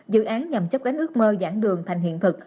dự án nhằm chấp cánh ước mơ giảng đường thành hiện thực